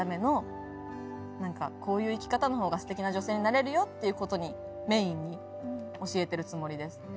こういう生き方のほうがステキな女性になれるよっていうことにメインに教えてるつもりです。